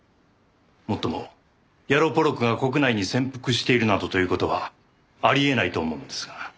もっともヤロポロクが国内に潜伏しているなどという事はあり得ないと思うのですが。